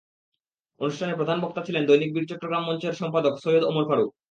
অনুষ্ঠানে প্রধান বক্তা ছিলেন দৈনিক বীর চট্টগ্রাম মঞ্চ-এর সম্পাদক সৈয়দ ওমর ফারুক।